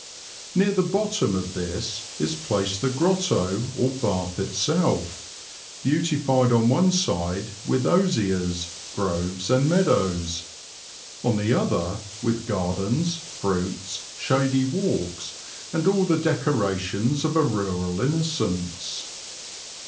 Near the Bottom of this is placed the Grotto or Bath itself, beautified on one side with Oziers, Groves and Meadows, on the other with Gardens, Fruits, shady Walks and all the Decorations of a rural Innocence.